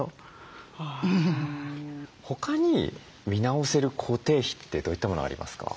他に見直せる固定費ってどういったものがありますか？